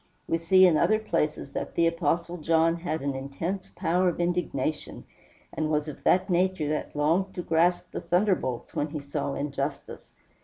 We see in other places that the Apostle John had an intense power of indignation, and was of that nature that longed to grasp the thunderbolts when he saw injustice.